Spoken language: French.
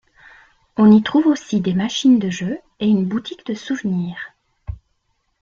On y trouve aussi des machines de jeux et une boutique de souvenir.